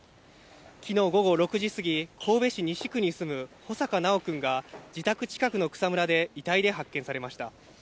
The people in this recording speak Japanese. きのう午後６時過ぎ、神戸市西区に住む穂坂修くんが自宅近くの草むらで遺体で発見されました。